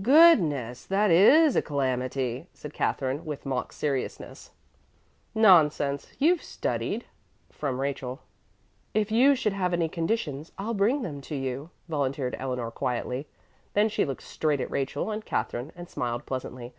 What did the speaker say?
"Goodness! That is a calamity!" said Katherine with mock seriousness. "Nonsense! You've studied," from Rachel. "If you should have any conditions, I'll bring them to you," volunteered Eleanor quietly. Then she looked straight at Rachel and Katherine and smiled pleasantly.